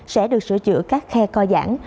sẽ được sửa chữa các khe co giãn